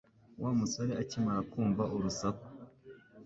Wa musore akimara kumva urusaku